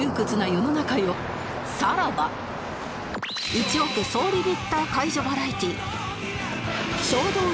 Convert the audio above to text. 『一億総リミッター解除バラエティ』